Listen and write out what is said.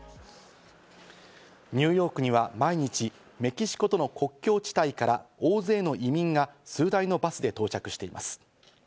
ニューヨークには毎日、メキシコとの国境地帯から大勢の移民が数台のバスで到着しています。